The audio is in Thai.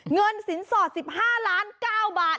เงินสินสอด๑๕ล้าน๙บาท